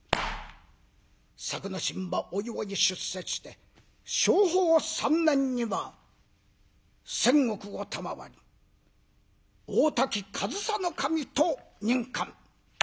作之進はおいおい出世して正保３年には１，０００石を賜り大多喜上総守と任官。